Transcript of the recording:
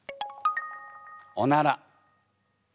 「おなら」。